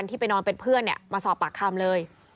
ที่ไปนอนเป็นเพื่อนมาสอบปากคำเลย